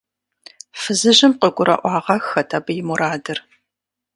Фызыжьым къыгурыӏуагъэххэт абы и мурадыр.